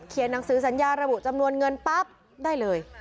หนังสือสัญญาระบุจำนวนเงินปั๊บได้เลย